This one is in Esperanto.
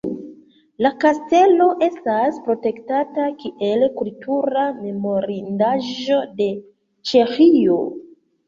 La kastelo estas protektita kiel kultura memorindaĵo de Ĉeĥio.